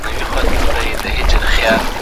هغه نه قوم لري او نه کوم خپلوان.